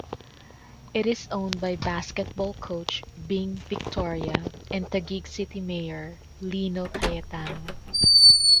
It is owned by basketball coach Bing Victoria and Taguig City Mayor Lino Cayetano.